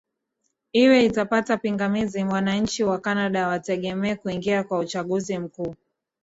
iwe itapata pingamizi wananchi wacanada wategemee kuingia kwenye uchaguzi mkuu